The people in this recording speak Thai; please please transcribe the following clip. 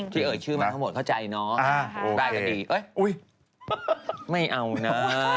ที่เอ๋ยชื่อมันทั้งหมดเข้าใจเนาะได้ก็ดีไม่เอานะ